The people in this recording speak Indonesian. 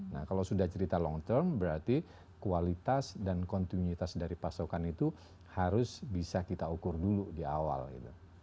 nah kalau sudah cerita long term berarti kualitas dan kontinuitas dari pasokan itu harus bisa kita ukur dulu di awal gitu